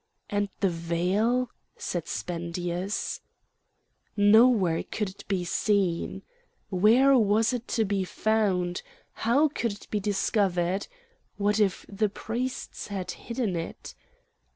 "And the veil?" said Spendius. Nowhere could it be seen. Where was it to be found? How could it be discovered? What if the priests had hidden it?